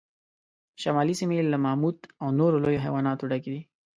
شمالي سیمې له ماموت او نورو لویو حیواناتو ډکې وې.